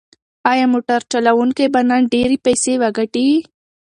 ایا موټر چلونکی به نن ډېرې پیسې وګټي؟